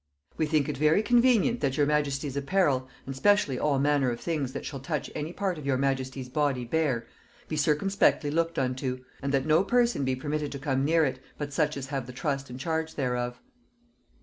"We think it very convenient that your majesty's apparel, and specially all manner of things that shall touch any part of your majesty's body bare, be circumspectly looked unto; and that no person be permitted to come near it, but such as have the trust and charge thereof.